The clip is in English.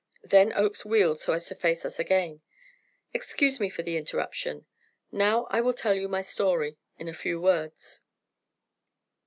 Then Oakes wheeled so as to face us again. "Excuse me for the interruption. Now I will tell you my story in a few words."